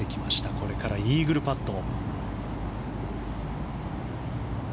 これからイーグルパット。